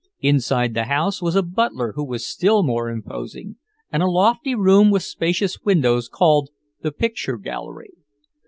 Inside the house was a butler who was still more imposing, and a lofty room with spacious windows called the picture gallery.